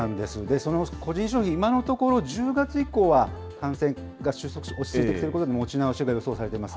その個人消費、今のところ１０月以降は感染が落ち着いていることで持ち直しが予想されています。